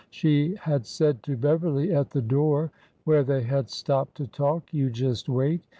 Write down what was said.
She had said to Beverly at the door, where they had stopped to talk: You just wait!